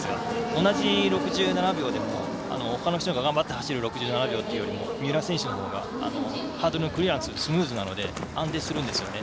同じ６７秒でもほかの人が頑張って走る６７秒より三浦選手のほうがハードルクリアするのスムーズなので安定するんですよね。